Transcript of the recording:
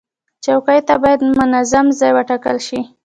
چوکۍ ته باید منظم ځای وټاکل شي.